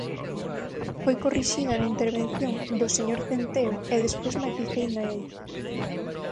Foi corrixida na intervención do señor Centeo e despois maticeina eu.